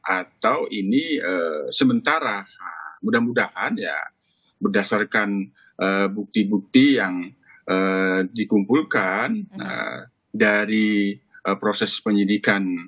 atau ini sementara mudah mudahan ya berdasarkan bukti bukti yang dikumpulkan dari proses penyidikan